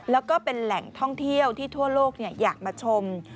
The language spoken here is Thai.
แล้วก็เป็นแหล่งท่องเที่ยวที่ทั่วโลกอยากมาชม